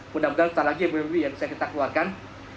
mudah mudahan setelah ini yang bisa kita keluarkan